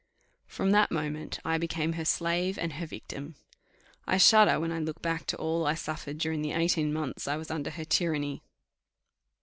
From that moment I became her slave, and her victim. I shudder when I look back to all I suffered during the eighteen months I was under her tyranny.